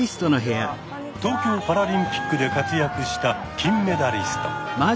東京パラリンピックで活躍した金メダリスト。